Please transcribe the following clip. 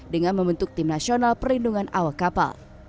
dengan membentuk tim nasional perlindungan awak kapal